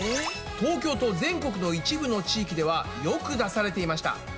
東京と全国の一部の地域ではよく出されていました。